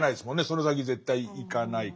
その先絶対行かないから。